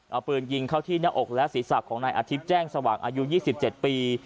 เอาปืนยิงเข้าที่หน้าอกและศีรษะของนายอาทิตย์แจ้งสว่างอายุ๒๗ปี